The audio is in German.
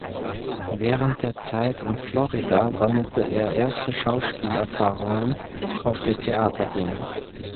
Während der Zeit in Florida sammelte er erste Schauspielerfahrungen auf der Theaterbühne.